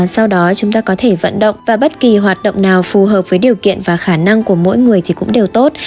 sau đó chúng ta có thể vận động và bất kỳ hoạt động nào phù hợp với điều kiện và khả năng của mỗi người thì cũng đều tốt